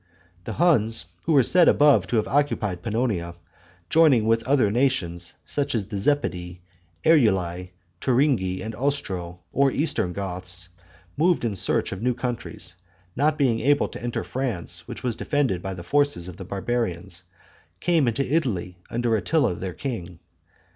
The Huns, who were said above to have occupied Pannonia, joining with other nations, as the Zepidi, Eurili, Turingi, and Ostro, or eastern Goths, moved in search of new countries, and not being able to enter France, which was defended by the forces of the barbarians, came into Italy under Attila their king.